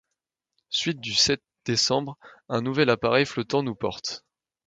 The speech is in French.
Suite du sept décembre. — Un nouvel appareil flottant nous porte.